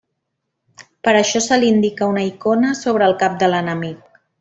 Per a això se li indica una icona sobre el cap de l'enemic.